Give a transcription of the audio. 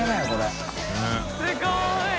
すごい！